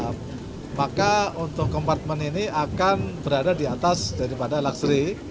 nah maka untuk kompartemen ini akan berada di atas daripada luxury